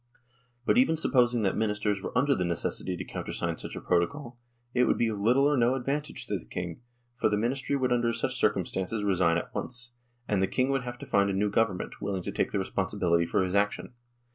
But even supposing that Ministers were under the necessity to countersign such a proposal, it would be of little or no advantage to the King, for the Ministry would under such circumstances resign at once, and the King would have to find a new government, willing to take the responsibility for his action.